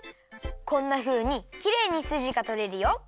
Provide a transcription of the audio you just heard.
こんなふうにきれいにすじがとれるよ。